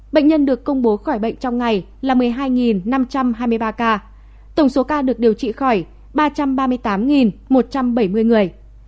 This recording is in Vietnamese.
bệnh nhân được công bố khỏi bệnh trong ngày là một mươi hai năm trăm hai mươi ba ca tổng số ca được điều trị khỏi ba trăm ba mươi tám một trăm bảy mươi người